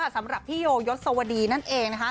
สำหรับพี่โยยศวดีนั่นเอง